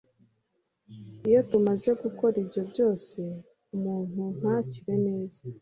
Iyo tumaze gukora ibyo byose umuntu ntakire neza